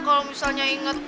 kalau misalnya inget